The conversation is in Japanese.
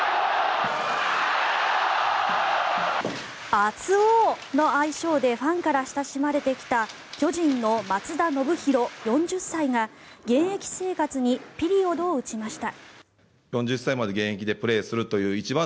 熱男の愛称でファンから親しまれてきた巨人の松田宣浩、４０歳が現役生活にピリオドを打ちました。